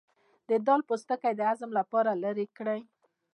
د دال پوستکی د هضم لپاره لرې کړئ